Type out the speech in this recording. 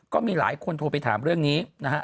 ก็มีหลายคนโทรไปถามเรื่องนี้นะฮะ